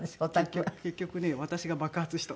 結局ね私が爆発した。